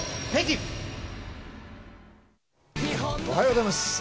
おはようございます。